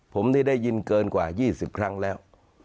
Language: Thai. ผมนี่ได้ยินเกินกว่า๒๐ครั้งแล้ว